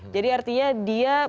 jadi artinya dia